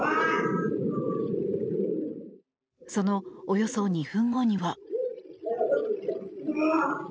そのおよそ２分後には。